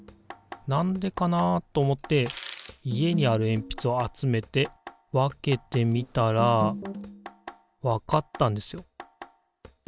何でかなと思って家にあるえんぴつを集めて分けてみたらわかったんですよ